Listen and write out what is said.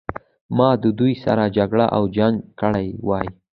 ما د دوی سره جګړه او جنګ کړی وای.